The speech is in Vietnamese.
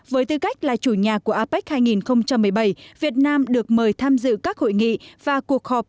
với tư cách là chủ nhà của apec hai nghìn một mươi bảy việt nam được mời tham dự các hội nghị và cuộc họp